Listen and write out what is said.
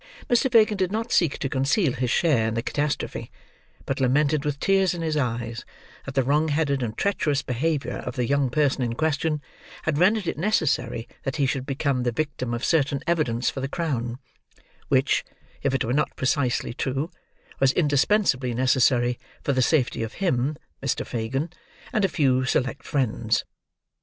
Mr. Fagin did not seek to conceal his share in the catastrophe, but lamented with tears in his eyes that the wrong headed and treacherous behaviour of the young person in question, had rendered it necessary that he should become the victim of certain evidence for the crown: which, if it were not precisely true, was indispensably necessary for the safety of him (Mr. Fagin) and a few select friends.